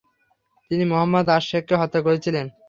তিনি মোহাম্মদ আশ-শেখকে হত্যা করেছিলেন।